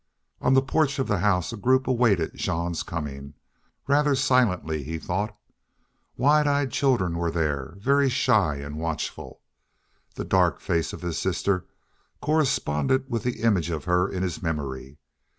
On the porch of the house a group awaited Jean's coming, rather silently, he thought. Wide eyed children were there, very shy and watchful. The dark face of his sister corresponded with the image of her in his memory.